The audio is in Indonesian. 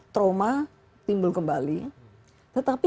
trauma timbul kembali